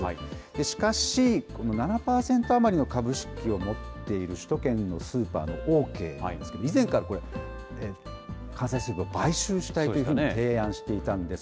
しかし、この７％余りの株式を持っている首都圏のスーパーのオーケーなんですけど、以前からこれ、関西スーパーを買収したいというふうに提案していたんです。